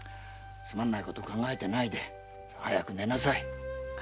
つまんないことを考えてないで早く寝なさい。